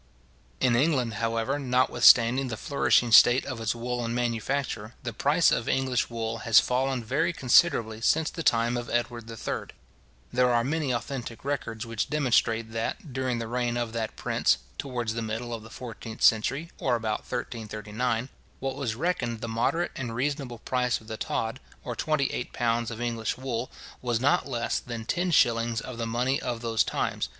In England, however, notwithstanding the flourishing state of its woollen manufacture, the price of English wool has fallen very considerably since the time of Edward III. There are many authentic records which demonstrate that, during the reign of that prince (towards the middle of the fourteenth century, or about 1339), what was reckoned the moderate and reasonable price of the tod, or twenty eight pounds of English wool, was not less than ten shillings of the money of those times {See Smith's Memoirs of Wool, vol. i c. 5, 6, 7. also vol. ii.